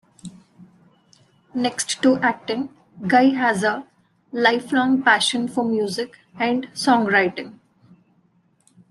Next to acting, Guy has a lifelong passion for music and songwriting.